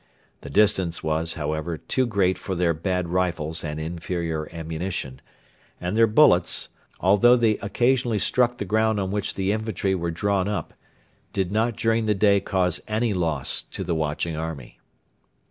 The distance was, however, too great for their bad rifles and inferior ammunition, and their bullets, although they occasionally struck the ground on which the infantry were drawn up, did not during the day cause any loss to the watching army.